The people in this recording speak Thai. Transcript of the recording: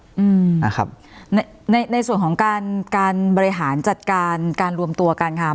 อืมนะครับในในส่วนของการการบริหารจัดการการรวมตัวกันค่ะ